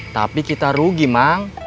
tapi kita rugi mang